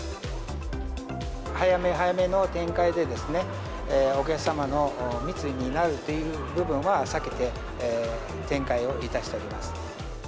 早め早めの展開で、お客様の密になるという部分は、避けて展開をいたしております。